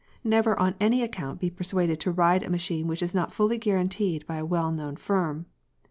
Never on any account be persuaded to ride a machine which is not fully guaranteed by a well known firm.